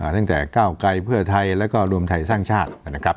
ตั้งแต่ก้าวไกลเพื่อไทยแล้วก็รวมไทยสร้างชาตินะครับ